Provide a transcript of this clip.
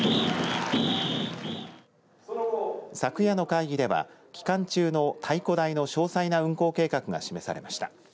昨夜の会議では期間中の太鼓台の詳細な運行計画が示されました。